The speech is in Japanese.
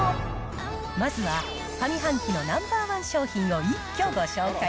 まずは上半期のナンバー１商品を一挙ご紹介。